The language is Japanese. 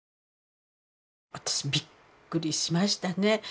私びっくりしましたね。